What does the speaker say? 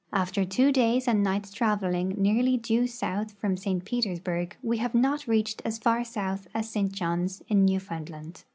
After two days' and nights' traveling nearl}' due south from St. Petersburg we have not reached as far south as St. Johns, in Newfoundland."